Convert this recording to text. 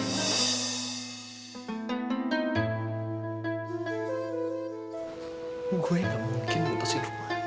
gue gak mungkin lepasin rumana